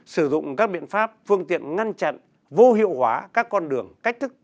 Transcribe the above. sử dụng các biện pháp phương tiện ngăn chặn vô hiệu hóa các con đường cách thức